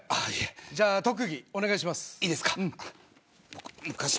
じゃあ、特技お願いします。